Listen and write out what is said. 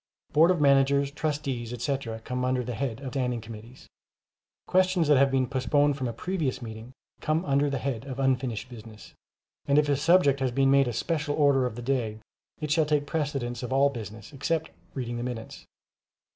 Boards of Managers, Trustees, etc., come under the head of standing committees. Questions that have been postponed from a previous meeting, come under the head of unfinished business; and if a subject has been made a "special order" for the day, it shall take precedence of all business except reading the minutes.